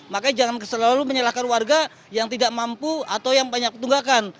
makanya jangan selalu menyalahkan warga yang tidak mampu atau yang banyak tunggakan